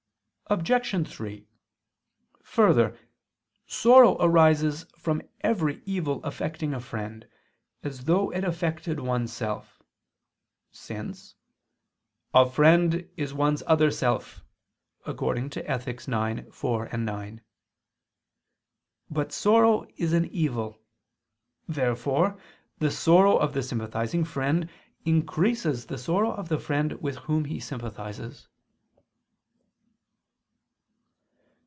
Obj. 3: Further, sorrow arises from every evil affecting a friend, as though it affected oneself: since "a friend is one's other self" (Ethic. ix, 4, 9). But sorrow is an evil. Therefore the sorrow of the sympathizing friend increases the sorrow of the friend with whom he sympathizes.